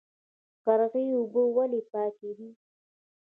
قرغې اوبه ولې پاکې دي؟